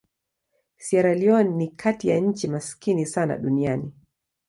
Sierra Leone ni kati ya nchi maskini sana duniani.